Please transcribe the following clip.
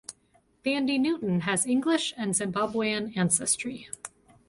Thandie Newton has English and Zimbabwean ancestry.